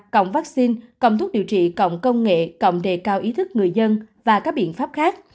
cộng vaccine phòng thuốc điều trị còn công nghệ cộng đề cao ý thức người dân và các biện pháp khác